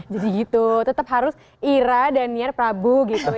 jadi gitu tetap harus ira dan niar prabu